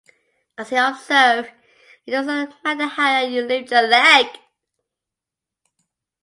As he observed, It doesn't matter how high you lift your leg.